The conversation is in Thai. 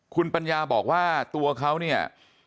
คุณปัญญาบอกว่าตัวเขาเนี่ย